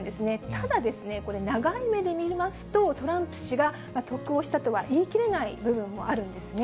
ただですね、これ長い目で見ますと、トランプ氏が得をしたとは言い切れない部分もあるんですね。